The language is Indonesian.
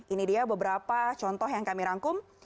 ini dia beberapa contoh yang kami rangkum